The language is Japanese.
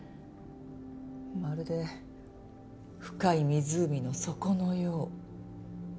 まるで深い湖の底のよう。